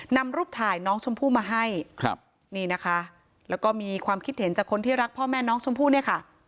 นำรูปถ่ายน้องชมพู่มาให้ครับนี่นะคะแล้วก็มีความคิดเห็นจากคนที่รักพ่อแม่น้องชมพู่เนี่ยค่ะ